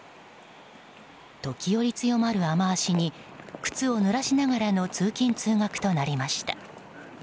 時折、強まる雨脚に靴をぬらしながらの通勤・通学となりました。